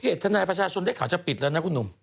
ทนายประชาชนได้ข่าวจะปิดแล้วนะคุณหนุ่ม